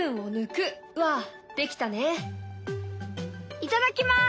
いただきます！